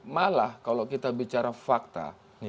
malah kalau kita bicara fakta